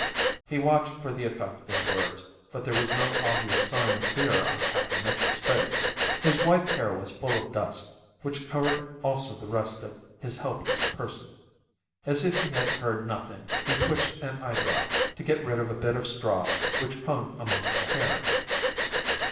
He watched for the effect of his words, but there was no obvious sign of fear on Captain Mitchell's face. His white hair was full of dust, which covered also the rest of his helpless person. As if he had heard nothing, he twitched an eyebrow to get rid of a bit of straw which hung amongst the hairs.